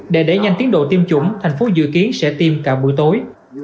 để đẩy nhanh tiến độ tiêm chủng thành phố dự kiến sẽ tiêm cả buổi tối